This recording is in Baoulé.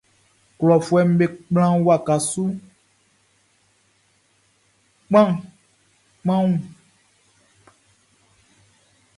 Klɔfuɛʼm be kplan waka su kpanwun.